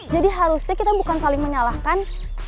jadi harusnya kita bukan saling menyalahkan